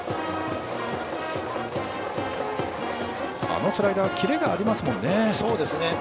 あのスライダーはキレがありますもんね。